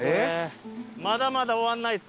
まだまだ終わんないっす。